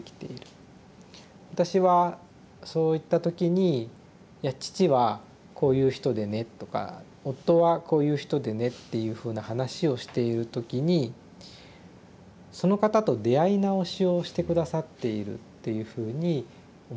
私はそういった時に「いや父はこういう人でね」とか「夫はこういう人でね」っていうふうな話をしている時にその方と出会い直しをして下さっているっていうふうに思っていて。